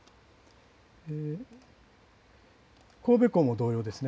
神戸港も同様です。